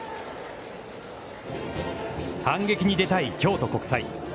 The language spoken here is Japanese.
反撃に出たい京都国際。